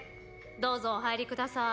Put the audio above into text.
「どうぞお入りください。